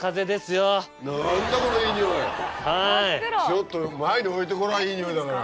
ちょっと前に置いてごらんいい匂いだから。